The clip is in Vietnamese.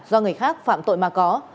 do người khác phạm tội mà có